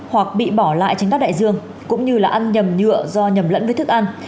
hoặc bị bỏ lại trên các đại dương cũng như là ăn nhầm nhựa do nhầm lẫn với thức ăn